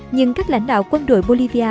nhưng các lãnh đạo quân đội bolivia